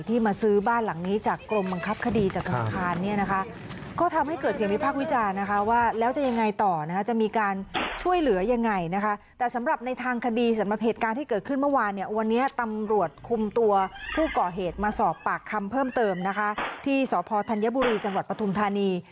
ที่สธัญญบุรีจังหวัดปฐุมธานี